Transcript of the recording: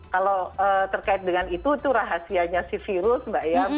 kalau terkait dengan itu itu rahasianya si virus mbak ya